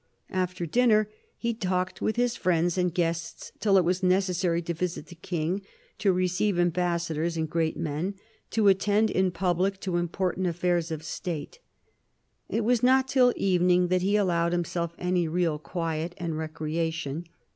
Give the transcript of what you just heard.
After dinner he talked with his friends and guests till it was necessary to visit the King, to receive ambassadors and great men, to attend in public to important affairs of State. It was not till evening that he allowed himself any real quiet and recreation.